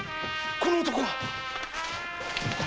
この男が？